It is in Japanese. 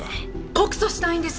告訴したいんです！